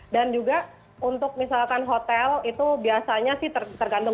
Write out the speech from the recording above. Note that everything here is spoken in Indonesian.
dan juga untuk misalkan hotel itu biasanya sih tergantung